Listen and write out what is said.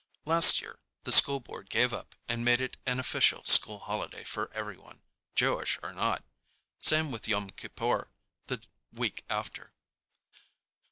Last year the school board gave up and made it an official school holiday for everyone, Jewish or not. Same with Yom Kippur, the week after.